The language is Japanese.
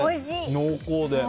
濃厚で。